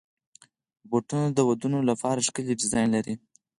بوټونه د ودونو لپاره ښکلي ډیزاین لري.